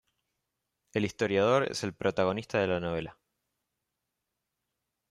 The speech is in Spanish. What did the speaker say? El historiador es el protagonista de la novela.